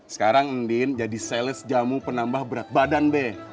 sekarang ndin jadi sales jamuh penambah berat badan be